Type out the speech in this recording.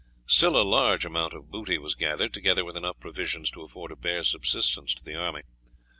Still a large amount of booty was gathered, together with enough provisions to afford a bare subsistence to the army.